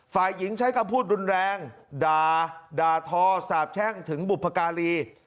ฝ่ายหญิงใช้คำพูดรุนแรงด่าด่าทอสาบแช่งถึงบุพการี